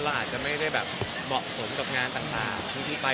อาจจะไม่ได้แบบเหมาะสมกับงานต่างที่ไป